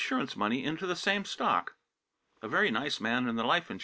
money into the same stock. A very nice man in the Life Ins.